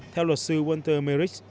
theo luật sư walter merrick